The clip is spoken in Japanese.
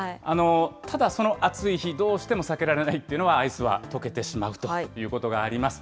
ただその暑い日、どうしても避けられないというのは、アイスは溶けてしまうということがあります。